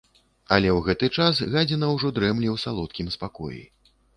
Але ў гэты час гадзіна ўжо дрэмле ў салодкім спакоі.